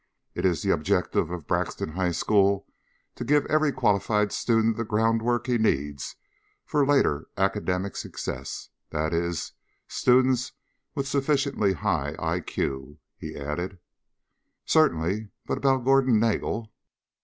"It is the objective of Braxton High School to give every qualified student the groundwork he needs for later academic success. That is, students with sufficiently high I.Q.," he added. "Certainly, but about Gordon Nagel...?"